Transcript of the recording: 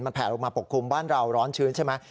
แผลลงมาปกคลุมบ้านเราร้อนชื้นใช่ไหม